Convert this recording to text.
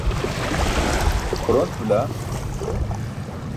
xuronc̣ bila.